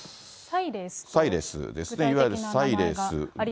サイレースですね、いわゆるサイレース。